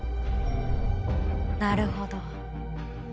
なるほど。